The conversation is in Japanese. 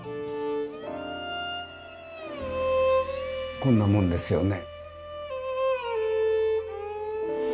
こんなもんですよね。